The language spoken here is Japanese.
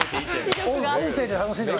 音声で楽しんでました。